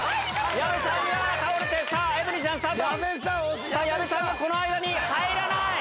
矢部さんがこの間に、入らない。